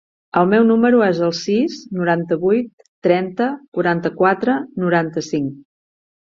El meu número es el sis, noranta-vuit, trenta, quaranta-quatre, noranta-cinc.